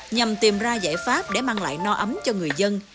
nhằm tìm ra giải pháp để mang lại no ấm cho người dân